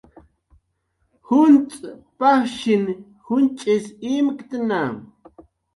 Juncx' pajshin junch'is imktna